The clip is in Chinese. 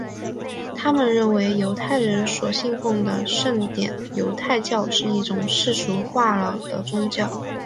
他们认为犹太人所信奉的圣殿犹太教是一种世俗化了的宗教。